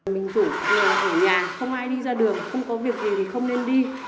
mình chủ nhà ở nhà không ai đi ra được không có việc gì thì không nên đi